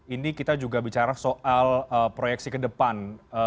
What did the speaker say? ini kita juga bicara soal proyeksi ke depan